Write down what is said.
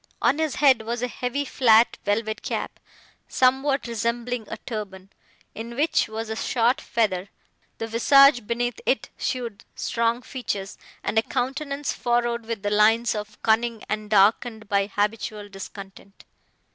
On his head was a heavy flat velvet cap, somewhat resembling a turban, in which was a short feather; the visage beneath it showed strong features, and a countenance furrowed with the lines of cunning and darkened by habitual discontent.